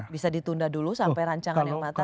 bisa ditunda dulu sampai rancangan yang matang